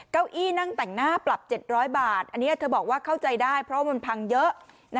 เก้าอี้นั่งแต่งหน้าปรับ๗๐๐บาทอันนี้เธอบอกว่าเข้าใจได้เพราะว่ามันพังเยอะ